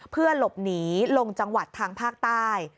เพื่อหลบหนีลงจังหวัดทางภาคใต้